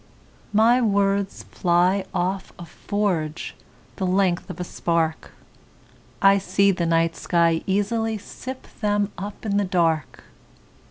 My words fly off a forgeThe length of a spark;I see the night sky easily sip themUp in the dark.